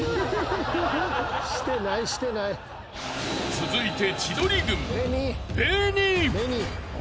［続いて］